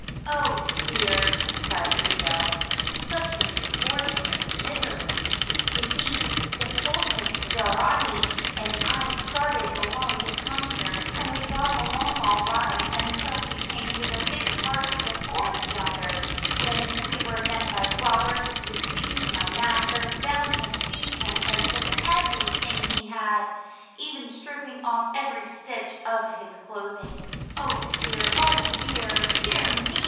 "Oh, dear!" sighed the gazelle; "such misfortune and misery! You see, Sultan Daaraaee and I started alone to come here, and we got along all right until we came to the thick part of the forest yonder, when we were met by robbers, who seized my master, bound him, beat him, and took everything he had, even stripping off every stitch of his clothing. Oh, dear! oh, dear!" "Dear me!"